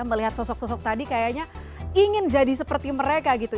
melihat sosok sosok tadi kayaknya ingin jadi seperti mereka gitu